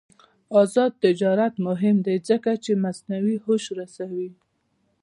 آزاد تجارت مهم دی ځکه چې مصنوعي هوش رسوي.